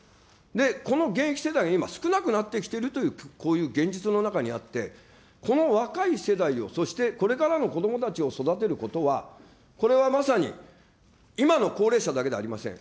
この現役世代が今、少なくなってきているというこういう現実の中にあって、この若い世代を、そしてこれからの子どもたちを育てることは、これはまさに、今の高齢者だけではありません。